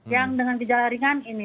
yang dengan gejala ringan ini